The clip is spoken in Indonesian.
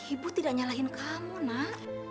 ibu tidak nyalain kamu nak